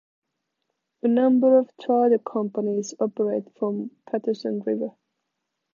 A number of charter companies operate from Patterson River.